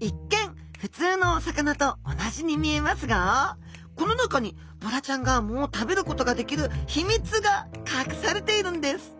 一見普通のお魚と同じに見えますがこの中にボラちゃんが藻を食べることができる秘密が隠されているんです！